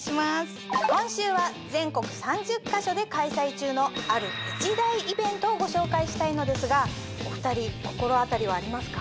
今週は全国３０カ所で開催中のある一大イベントをご紹介したいのですがお二人心当たりはありますか？